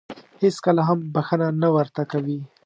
هېڅکله هم بښنه نه ورته کوي .